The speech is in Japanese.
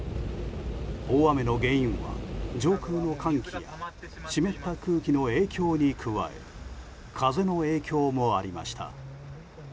大雨の原因は上空の寒気や湿った空気の影響に加え風の影響もありました。